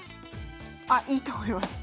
あいいと思います。